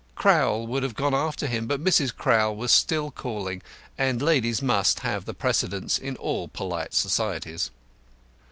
Crowl would have gone after him, but Mrs. Crowl was still calling, and ladies must have the precedence in all polite societies.